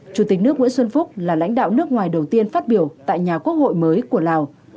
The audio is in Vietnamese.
chủ tịch nước nguyễn xuân phúc là lãnh đạo nước ngoài đầu tiên phát biểu tại nhà quốc hội mới của lào